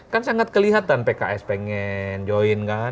kan sangat kelihatan pks pengen join kan